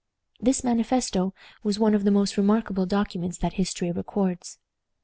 This manifesto was one of the most remarkable documents that history records.